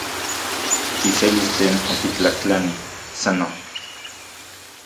Kiselis tlen okitlajtlani, san non.